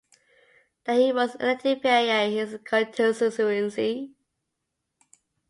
There he was elected via his constituency.